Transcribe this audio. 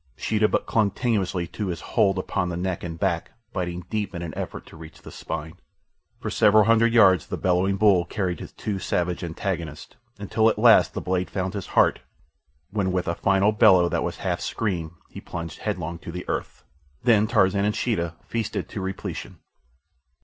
Sheeta but clung tenaciously to his hold upon the neck and back, biting deep in an effort to reach the spine. For several hundred yards the bellowing bull carried his two savage antagonists, until at last the blade found his heart, when with a final bellow that was half scream he plunged headlong to the earth. Then Tarzan and Sheeta feasted to repletion.